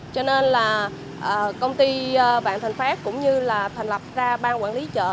cho nên công ty bạn thành pháp cũng như thành lập ra ban quản lý chợ